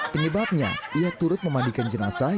penyebabnya ia turut memandikan jenazah